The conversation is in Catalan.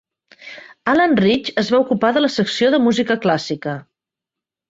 Alan Rich es va ocupar de la secció de música clàssica.